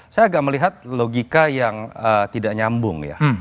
saya agak melihat logika yang tidak nyambung ya